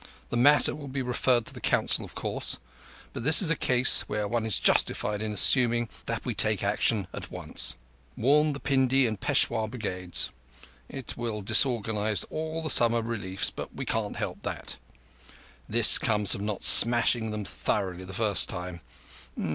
The matter will be referred to the Council, of course, but this is a case where one is justified in assuming that we take action at once. Warn the Pined and Peshawar brigades. It will disorganize all the summer reliefs, but we can't help that. This comes of not smashing them thoroughly the first time.